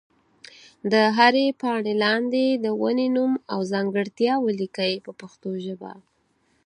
د هرې پاڼې لاندې د ونې نوم او ځانګړتیا ولیکئ په پښتو ژبه.